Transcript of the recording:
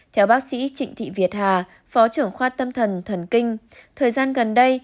theo bác sĩ trịnh thị việt hà phó trưởng khoa tâm thần thần kinh thời gian gần đây